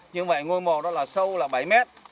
nhưng mà ngôi mộ đó là sâu là bảy mét